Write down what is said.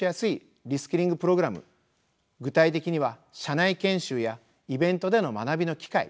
具体的には社内研修やイベントでの学びの機会